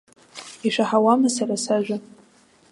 Ишәаҳауама сара сажәа.